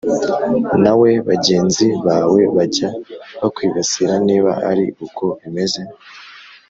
nawe bagenzi bawe bajya bakwibasira Niba ari uko bimeze